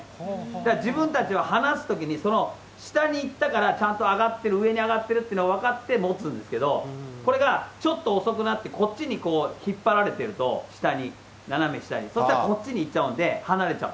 だから自分たちは離すときに、その下に行ったからちゃんと上がってる、上に上がってるっていうのが分かって持つんですけど、これがちょっと遅くなって、こっちにこう引っ張られてると、下に、斜め下に、そうしたらこっちに行っちゃうんで離れちゃう。